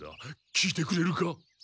聞いてくれるか？